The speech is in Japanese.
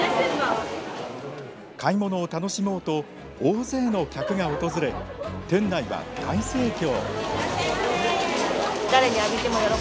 買い物を楽しもうと大勢の客が訪れ店内は大盛況。